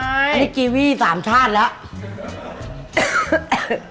อันนี้กีวี๓ชาติแล้ว